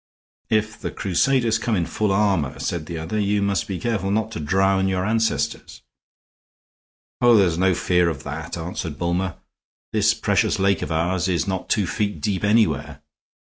"If the crusaders come in full armor," said the other, "you must be careful not to drown your ancestors." "Oh, there's no fear of that," answered Bulmer; "this precious lake of ours is not two feet deep anywhere."